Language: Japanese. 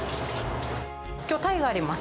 きょう、タイがあります。